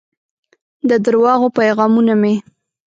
د درواغو پیغامونه مې